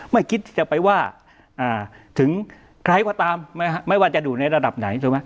ไม่คิดจะไปว่าถึงใครว่าตามไม่ว่าจะดูในระดับไหน